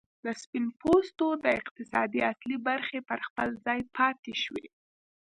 د سپین پوستو د اقتصاد اصلي برخې پر خپل ځای پاتې شوې.